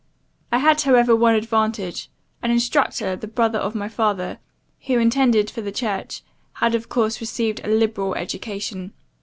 I had however one advantage, an instructor, the brother of my father, who, intended for the church, had of course received a liberal education.